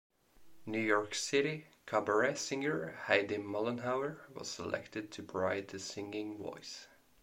New York City cabaret singer Heidi Mollenhauer was selected to provide the singing voice.